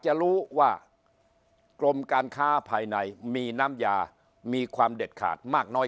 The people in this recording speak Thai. จะรู้ว่ากรมการค้าภายในมีน้ำยามีความเด็ดขาดมากน้อย